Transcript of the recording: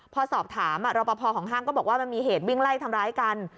พอสอบถามรอปภของห้างก็บอกว่ามันมีเหตุวิ่งไล่ทำร้ายกัน